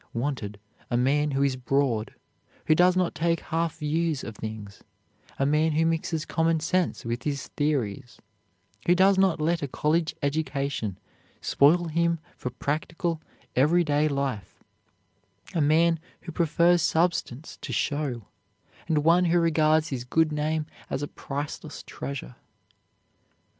Wanted, a man who is broad, who does not take half views of things; a man who mixes common sense with his theories, who does not let a college education spoil him for practical, every day life; a man who prefers substance to show, and one who regards his good name as a priceless treasure.